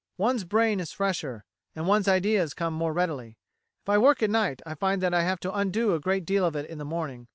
One's brain is fresher and one's ideas come more readily. If I work at night I find that I have to undo a great deal of it in the morning.